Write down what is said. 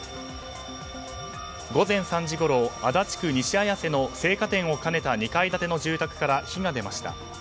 午前３時ごろ、足立区西綾瀬の生花店を兼ねた２階建ての住宅から火が出ました。